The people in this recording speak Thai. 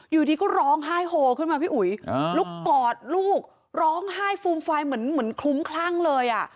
อยู่ดีก็ร้องไห้โฮขึ้นมาพี่อุ๋ยลุกกอดลูกร้องไห้ฟูมฟายเหมือนคลุ้มคลั่งเลยอ่ะ